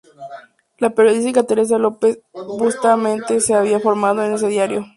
La periodista Teresa López Bustamante se había formado en ese diario.